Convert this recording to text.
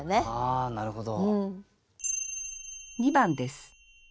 あなるほど。